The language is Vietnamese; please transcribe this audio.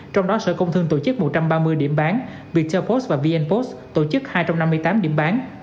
trong đó sở công thương tổ chức một trăm ba mươi điểm bán viettel post và vnpost tổ chức hai trăm năm mươi tám điểm bán